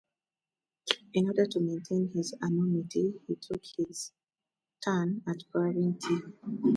In order to maintain his anonymity, he took his turn at pouring tea.